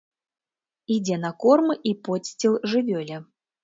Ідзе на корм і подсціл жывёле.